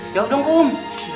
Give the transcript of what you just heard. jawab dong kum